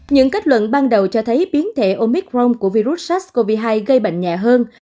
những kết luận ban đầu cho thấy biến thể omicron của virus sars cov hai gây bệnh nhẹ hơn